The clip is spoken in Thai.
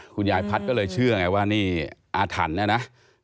คุณยายพัทรก็เลยเชื่อว่านี่อาถรรพ์นะนะ